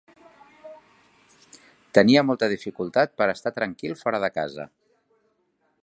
Tenia molta dificultat per estar tranquil fora de casa.